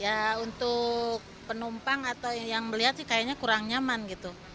ya untuk penumpang atau yang melihat sih kayaknya kurang nyaman gitu